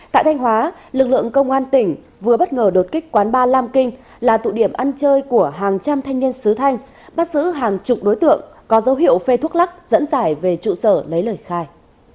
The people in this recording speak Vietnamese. tại thanh hóa lực lượng công an tỉnh vừa bất ngờ đột kích quán ba lam kinh là tụ điểm ăn chơi của hàng trăm thanh niên sứ thanh bắt giữ hàng chục đối tượng có dấu hiệu phê thuốc lắc dẫn giải về trụ sở lấy lời khai